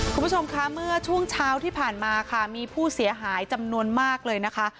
คุณผู้ชมคะเมื่อช่วงเช้าที่ผ่านมาค่ะมีผู้เสียหายจำนวนมากเลยนะคะ